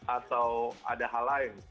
atau ada hal lain